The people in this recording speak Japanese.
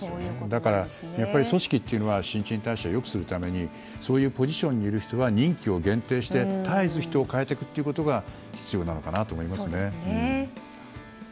だから、組織というのは新陳代謝をよくするためにそういうポジションにいる人は任期を限定して絶えず人を代えていくことが必要なのかなと思いますね。